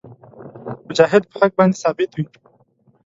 مجاهد په حق باندې ثابت وي.